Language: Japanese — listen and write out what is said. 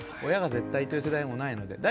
親が絶対という世代でもないので。